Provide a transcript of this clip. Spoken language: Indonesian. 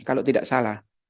kalau tidak salah